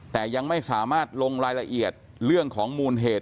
แต่ยังไม่สามารถลงรายละเอียดเรื่องของมูลเหตุ